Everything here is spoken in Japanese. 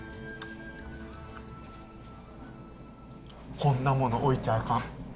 こんなもの置いちゃいかん。